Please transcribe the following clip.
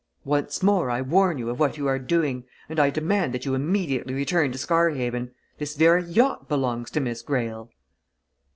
Once more I warn you of what you are doing, and I demand that you immediately return to Scarhaven. This very yacht belongs to Miss Greyle!"